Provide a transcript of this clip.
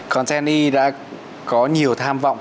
content e đã có nhiều tham vọng